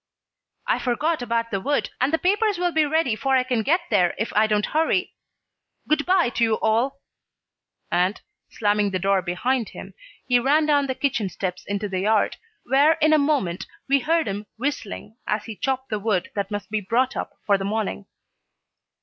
"I forgot about the wood, and the papers will be ready 'fore I can get there if I don't hurry. Good by to you all," and, slamming the door behind him, he ran down the kitchen steps into the yard, where in a moment we heard him whistling as he chopped the wood that must be brought up for the morning.